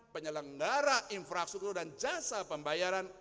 penyelenggara infrastruktur dan jasa pembayaran